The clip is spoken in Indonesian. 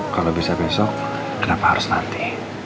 kalau bisa besok kenapa harus nanti